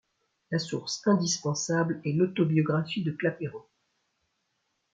La source indispensable est l'autobiographie de Clapeyron.